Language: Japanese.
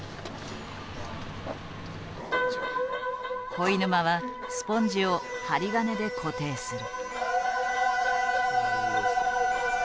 肥沼はスポンジを針金で固定する。